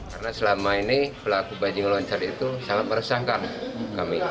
karena selama ini pelaku bajing loncat itu sangat meresahkan kami